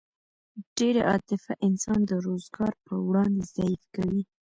ډېره عاطفه انسان د روزګار په وړاندې ضعیف کوي